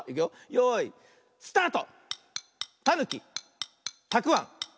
よいスタート！